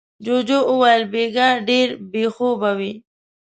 جوجو وويل: بېګا ډېر بې خوبه وې.